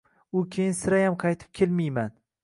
U keyin sirayam qaytib kelmiyman!